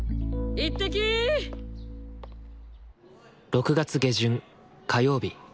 ６月下旬火曜日。